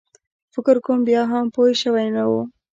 فکر کوم بیا هم پوی شوی نه و.